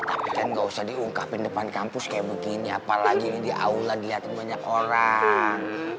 apapun gak usah diungkapin depan kampus kayak begini apalagi ini di aula dilihatin banyak orang